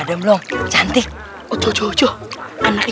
tidak ada yang bisa diberikan kebenaran